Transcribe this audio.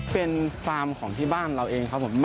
เป็นฟาร์มของที่บ้านเราเองครับผม